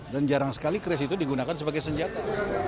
dan jarang sekali keris itu digunakan sebagai senjata